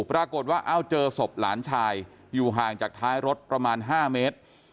ปรากฏว่าเอ้าเจอศพหลานชายอยู่ห่างจากท้ายรถประมาณ๕เมตร